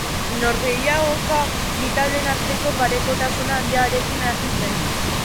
Norgehiagoka bi taldeen arteko parekotasun handiarekin hasi zen.